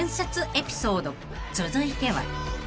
［続いては］